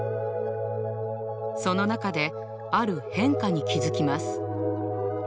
その中である変化に気づきます。